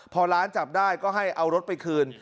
พอร้านจับได้ก็ให้เอารถไปคืน